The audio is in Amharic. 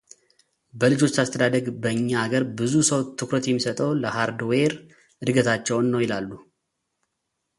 በልጆች አስተዳደግ በእኛ አገር ብዙ ሰው ትኩረት የሚሰጠው ለሃርድዌር ዕድገታቸውን ነው ይላሉ።